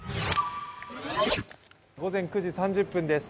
午前９時３０分です。